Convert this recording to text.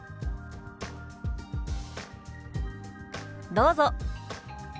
どうぞ。